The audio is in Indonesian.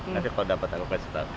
nanti kalau dapet aku kasih tau